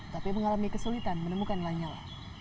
tapi mengalami kesulitan menemukan lanyala